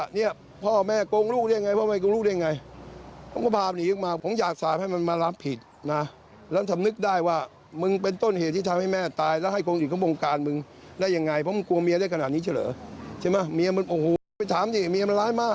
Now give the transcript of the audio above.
เฮียอยากดำเนินคดีค่ะ